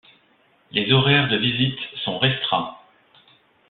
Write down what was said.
Les horaires de visites sont restreints.